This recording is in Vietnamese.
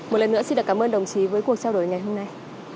một lần nữa xin được cảm ơn đồng chí với cuộc trao đổi ngày hôm nay